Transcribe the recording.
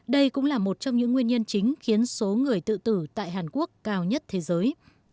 đây cũng là một trong những nguyên nhân chính khiến số người tự tử tại hàn quốc cao nhất thế giới